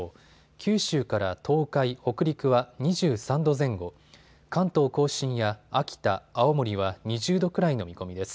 九州から東海、北陸は２３度前後、関東甲信や秋田、青森は２０度くらいの見込みです。